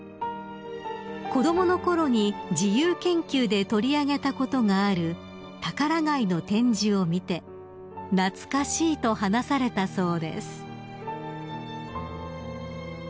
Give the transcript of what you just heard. ［子供のころに自由研究で取り上げたことがあるタカラガイの展示を見て「懐かしい」と話されたそうです］